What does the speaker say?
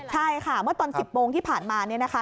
ใช่ค่ะเมื่อตอน๑๐โมงที่ผ่านมาเนี่ยนะคะ